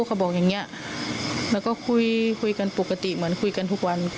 เขาบอกอย่างนี้แล้วก็คุยคุยกันปกติเหมือนคุยกันทุกวัน